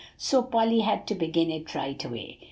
So Polly had to begin it right away.